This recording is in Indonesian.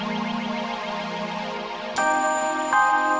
yang redha dan